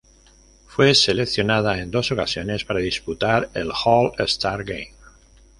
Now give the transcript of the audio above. Fue seleccionado en dos ocasiones para disputar el All-Star Game.